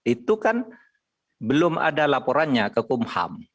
itu kan belum ada laporannya ke kumham